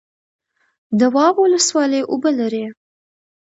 دواب ولسوالۍ اوبه لري؟